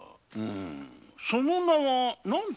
その名は何と？